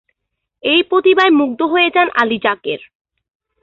এই প্রতিভায় মুগ্ধ হয়ে যান আলী যাকের।